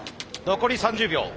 残り３０秒。